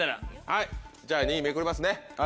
はいじゃあ２位めくりますね。